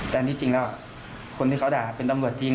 แต่อันนี้จริงแล้วคนที่เขาด่าเป็นตำรวจจริง